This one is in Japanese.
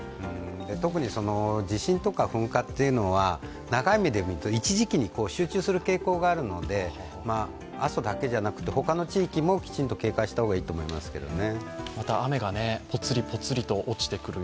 特に地震とか噴火は長い目で見ると、一時期に集中する傾向があるので、阿蘇だけじゃなくて、他の地域もきちんと警戒した方がいいと思いますね。